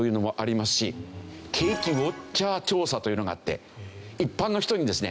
景気ウォッチャー調査というのがあって一般の人にですね